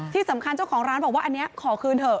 ที่สำคัญเจ้าของร้านบอกว่าอันนี้ขอคืนเถอะ